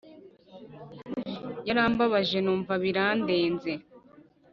Yarambabaje numva birandenze